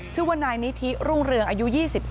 ชื่อว่านายนิธิรุ่งเรืองอายุ๒๒